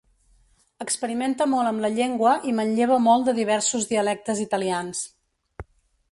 Experimenta molt amb la llengua i manlleva molt de diversos dialectes italians.